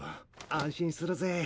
安心するぜ。